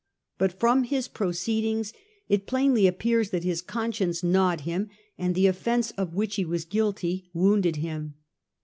But from his proceedings it plainly appears that his conscience gnawed him, and the offence of which he was guilty wounded him."